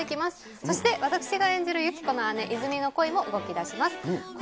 そして私が演じるユキコの姉、イズミの恋も動きだします。